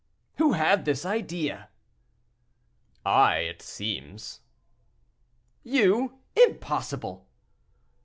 "Who had this idea?" "I, it seems." "You! impossible!"